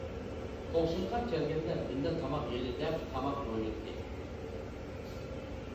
توقسۇنغا كەلگەندە بىللە تاماق يەيلى دەپ تاماق بۇيرۇتتى.